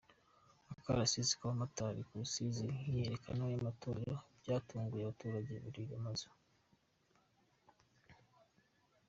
Akarasisi k’abamotari ba Rusizi n’imyiyereko y’amatorero byatunguye abaturage burira amazu.